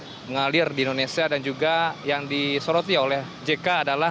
yang mengalir di indonesia dan juga yang disoroti oleh jk adalah